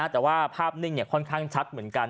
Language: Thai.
แต่ว่าภาพนิ่งค่อนข้างชัดเหมือนกัน